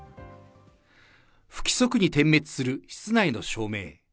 不規則に点滅する室内の照明。